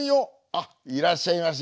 あっいらっしゃいまし。